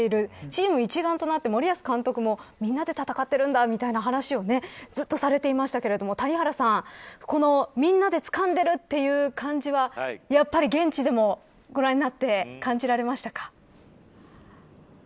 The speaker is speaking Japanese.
チーム一丸となって森保監督もみんなで戦っているんだという話をしていましたが谷原さんみんなでつかんでいるという感じは現地でご覧になって感じられましたか。